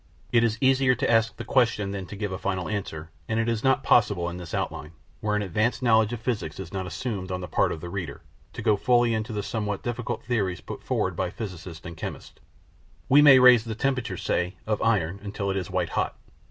It is easier to ask the question than to give a final answer, and it is not possible in this OUTLINE, where an advanced knowledge of physics is not assumed on the part of the reader, to go fully into the somewhat difficult theories put forward by physicists and chemists. We may raise the temperature, say, of iron, until it is white hot.